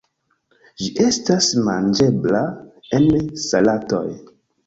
Ĝi estas manĝebla en salatoj.